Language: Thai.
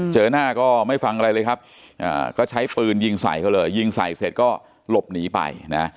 เจอหน้าก็ไม่ฟังอะไรเลยครับก็ใช้ปืนยิงใส่เขาเลยยิงใส่เสร็จก็หลบหนีไปนะ